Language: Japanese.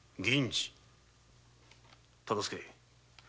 忠相。